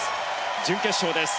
準決勝です。